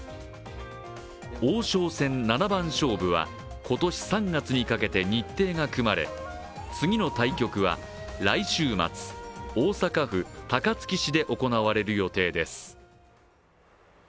王将戦七番勝負は今年３月にかけて日程が組まれ次の対局は来週末、大阪府高槻市で行われる予定です。